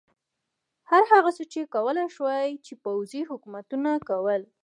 هر هغه څه یې کولای شول چې پوځي حکومتونو کول.